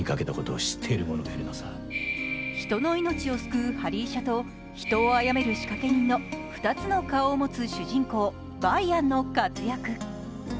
人の命を救うはり医者と人をあやめる仕掛け人の２つの顔を持つ主人公、梅安の活躍。